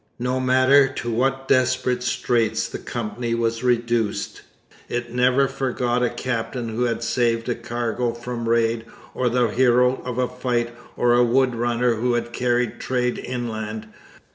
No matter to what desperate straits the Company was reduced, it never forgot a captain who had saved a cargo from raid, or the hero of a fight, or a wood runner who had carried trade inland.